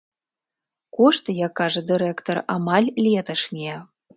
Кошты, як кажа дырэктар, амаль леташнія.